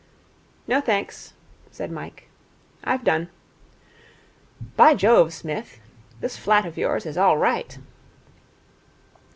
'No, thanks,' said Mike. 'I've done. By Jove, Smith, this flat of yours is all right.'